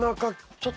ちょっと。